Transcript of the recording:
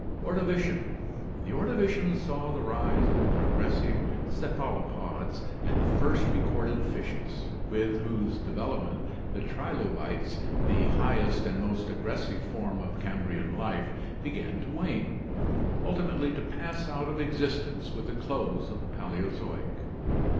Ordovician. — The Ordovician saw the rise of the progressive cephalopods and the first recorded fishes, with whose development the trilobites, the highest and most aggressive form of Cambrian life, began to wane, ultimately to pass out of existence with the close of the Paleozoic.